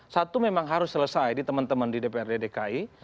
satu memang harus selesai di teman teman di dprd dki